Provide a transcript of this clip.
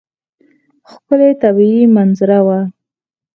ښکلې طبیعي منظره وه.